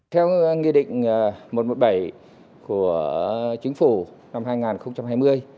theo nghị định một trăm một mươi bảy của chính phủ năm hai nghìn hai mươi